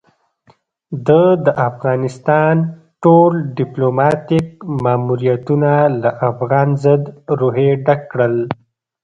ده د افغانستان ټول ديپلوماتيک ماموريتونه له افغان ضد روحيې ډک کړل.